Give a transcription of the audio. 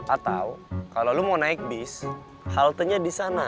atau kalo lu mau naik bis haltenya di sana